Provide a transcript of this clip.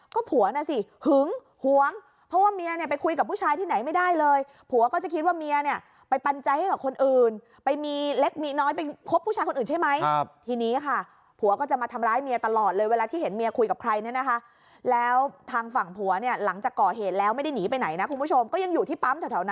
ก็ผัวน่ะสิหึงหวงเพราะว่าเมียเนี่ยไปคุยกับผู้ชายที่ไหนไม่ได้เลยผัวก็จะคิดว่าเมียเนี่ยไปปัญญาให้กับคนอื่นไปมีเล็กมีน้อยไปคบผู้ชายคนอื่นใช่ไหมทีนี้ค่ะผัวก็จะมาทำร้ายเมียตลอดเลยเวลาที่เห็นเมียคุยกับใครเนี่ยนะคะแล้วทางฝั่งผัวเนี่ยหลังจากก่อเหตุแล้วไม่ได้หนีไปไหนนะคุณผู้ชมก็ยังอยู่ที่ปั๊มแถวนั้น